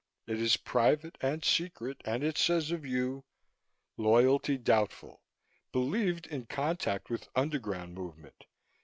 It is private and secret, and it says of you, 'Loyalty doubtful. Believed in contact with underground movement.